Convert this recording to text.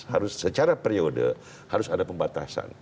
harus secara periode harus ada pembatasan